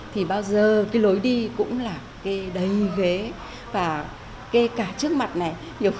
thì bao giờ cái lối đi cũng là cái đầy ghế và kê cả trước mặt này